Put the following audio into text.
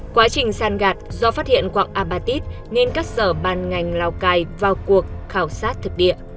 quá trình sàn gạt do phát hiện quặng apatit nên cắt sở ban ngành lào cai vào cuộc khảo sát thực địa